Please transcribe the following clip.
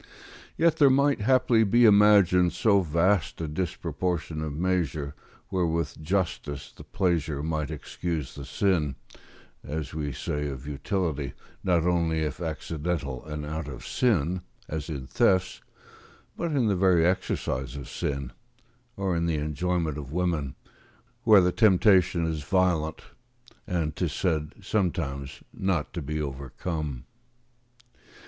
Yet there might, haply, be imagined so vast a disproportion of measure, where with justice the pleasure might excuse the sin, as we say of utility; not only if accidental and out of sin, as in thefts, but in the very exercise of sin, or in the enjoyment of women, where the temptation is violent, and, 'tis said, sometimes not to be overcome.